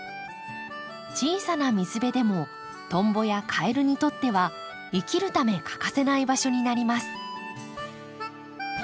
小さな水辺でもトンボやカエルにとっては生きるため欠かせない場所になります。